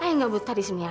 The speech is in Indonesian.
ayah gak betah disini ayah